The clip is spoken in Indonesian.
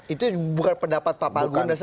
itu bukan pendapat pak palgun